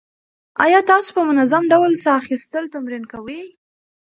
ایا تاسو په منظم ډول ساه اخیستل تمرین کوئ؟